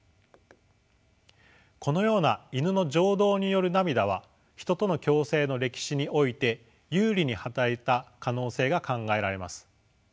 このようなイヌの情動による涙はヒトとの共生の歴史において有利に働いた可能性が考えられます。